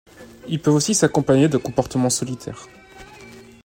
Ils peuvent aussi s'accompagner de comportement solitaire.